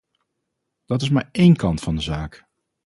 Dat is maar één kant van de zaak.